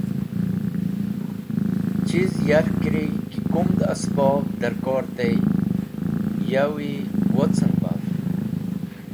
Chiz yarkẽri ki kumd esbob dẽrkor tey yawi wocẽn baf